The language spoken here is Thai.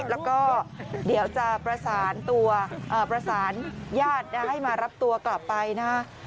แล้วก็เดี๋ยวจะประสานตัวประสานญาติให้มารับตัวกลับไปนะฮะ